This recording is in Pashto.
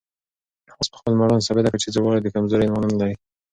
آس په خپل مړوند ثابته کړه چې زوړوالی د کمزورۍ مانا نه لري.